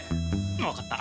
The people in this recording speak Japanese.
分かった。